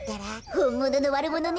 ほんもののわるものに。